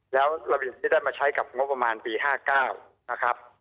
แล้วระเบียบที่ได้มาใช้กับงบประมาณปี๕๙นะครับ